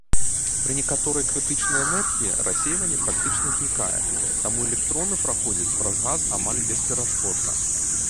Пры некаторай крытычнай энергіі рассейванне практычна знікае, таму электроны праходзяць праз газ амаль бесперашкодна.